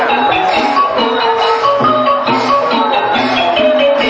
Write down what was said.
ดีดี